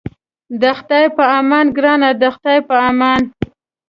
د خدای په امان ګرانه د خدای په امان.